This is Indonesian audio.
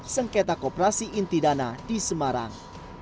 sengketa kooperasi inti dana di semarang